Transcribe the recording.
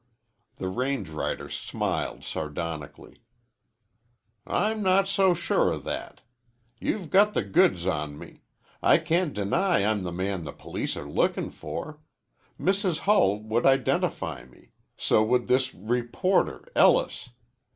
The range rider smiled sardonically. "I'm not so sure of that. You've got the goods on me. I can't deny I'm the man the police are lookin' for. Mrs. Hull would identify me. So would this reporter Ellis.